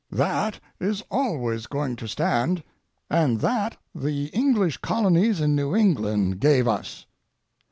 That is always going to stand, and that the English Colonies in New England gave us.